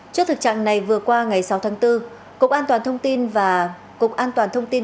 trước thực trạng này vừa qua ngày sáu tháng bốn cục an toàn thông tin và cục an toàn thông tin